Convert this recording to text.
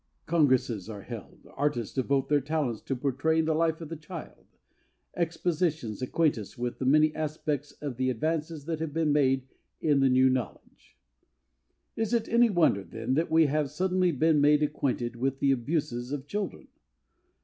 Congresses are held, artists devote their talents to portraying the life of the child, expositions acquaint us with the many aspects of the advances that have been made in the new knowledge. Is it any wonder then that we have suddenly been made acquainted with the abuses of children?